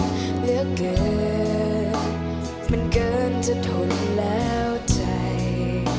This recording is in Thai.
เหลือเกินมันเกินจะทนแล้วใจ